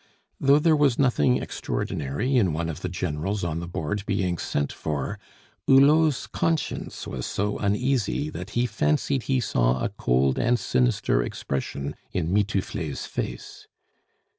Though there was nothing extraordinary in one of the Generals on the Board being sent for, Hulot's conscience was so uneasy that he fancied he saw a cold and sinister expression in Mitouflet's face.